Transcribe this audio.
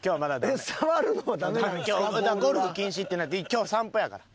ゴルフ禁止ってなって今日散歩やから。